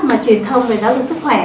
mà truyền thông về giáo dục sức khỏe